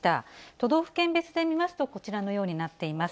都道府県別で見ますと、こちらのようになっています。